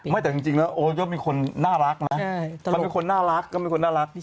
แต่จริงแล้วโอ๊ตก็เป็นคนน่ารักนะมันเป็นคนน่ารักก็เป็นคนน่ารัก